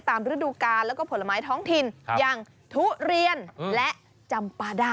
ฤดูกาลแล้วก็ผลไม้ท้องถิ่นอย่างทุเรียนและจำปาด้า